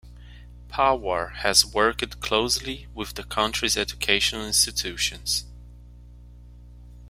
Pawar has worked closely with the country's educational institutions.